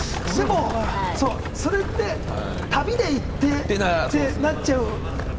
でもそれって旅で行ってってなっちゃう。